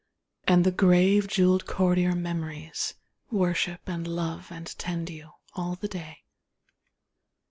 And the grave jewelled courtier Memories Worship and love and tend you, all the day.